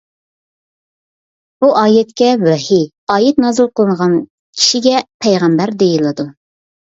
بۇ ئايەتكە «ۋەھىي» ، ئايەت نازىل قىلىنغان كىشىگە «پەيغەمبەر» دېيىلىدۇ.